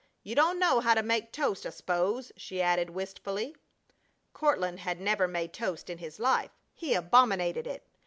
You don't know how to make toast I 'spose," she added, wistfully. Courtland had never made toast in his life. He abominated it.